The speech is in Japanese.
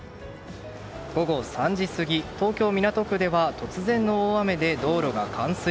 午後３時過ぎ、東京・港区では突然の大雨で道路が冠水。